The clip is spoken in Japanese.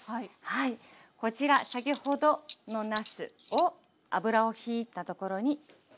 こちら先ほどのなすを油をひいたところに並べていきます。